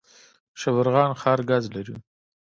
شبرغان ښار ګاز لري؟